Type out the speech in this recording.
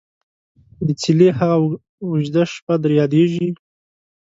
دڅيلې هغه او ژده شپه در ياديژي ?